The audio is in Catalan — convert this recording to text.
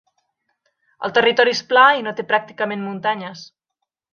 El territori és pla i no té pràcticament muntanyes.